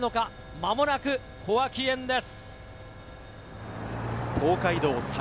間もなく小涌園です。